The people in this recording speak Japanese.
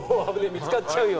見つかっちゃうよ」。